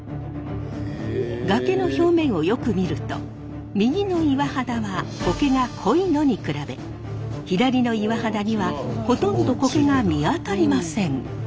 崖の表面をよく見ると右の岩肌は苔が濃いのに比べ左の岩肌にはほとんど苔が見当たりません。